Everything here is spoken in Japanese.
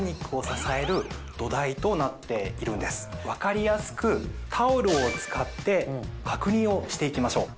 分かりやすくタオルを使って確認をして行きましょう。